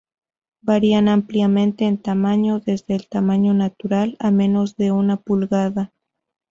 Varían ampliamente en tamaño, desde el tamaño natural a menos de una pulgada.